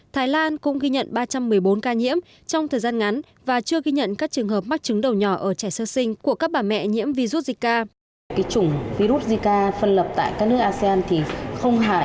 thái lan cũng ghi nhận ba trăm một mươi bốn ca nhiễm trong thời gian ngắn và chưa ghi nhận các trường hợp mắc trứng đầu nhỏ ở trẻ sơ sinh